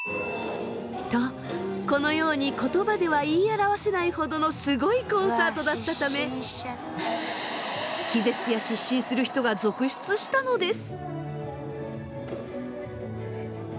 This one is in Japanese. とこのように言葉では言い表せないほどのすごいコンサートだったため気絶や失神する人が続出したのです。